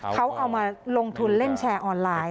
เขาเอามาลงทุนเล่นแชร์ออนไลน์